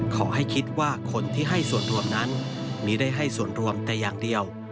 ขอให้คิดว่าคนที่ให้ส่วนรวมนั้นมีได้ให้ส่วนรวมแต่อย่างเดียว